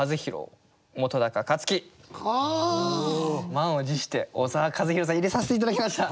満を持して小沢一敬さん入れさせて頂きました。